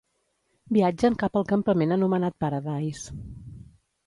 Viatgen cap al campament anomenat Paradise.